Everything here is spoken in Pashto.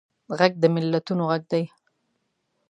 غږ د ملتونو غږ دی